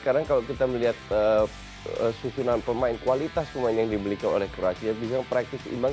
karena kalau kita melihat susunan pemain kualitas pemain yang dibelikan oleh kroasia bisa praktis imbang